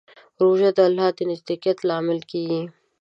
روژه د الله د نزدېکت لامل کېږي.